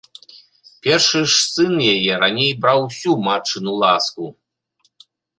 Першы ж сын яе раней браў усю матчыну ласку!